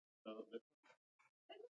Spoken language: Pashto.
تاریخ د خپل ولس د مرستی لامل دی.